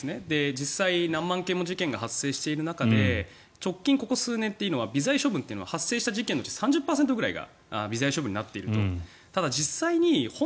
実際、何万件も事件が発生している中で直近ここ数年というのは発生事件のうち３０％ぐらいが微罪処分になっていると。